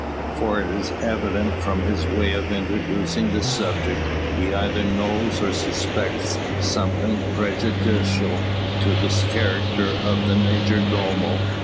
For it is evident, from his way of introducing the subject, he either knows or suspects something prejudicial to the character of the major domo.